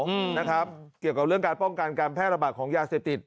อืมนะครับเกี่ยวกับเรื่องการป้องกันการแพร่ระบาดของยาเสพติด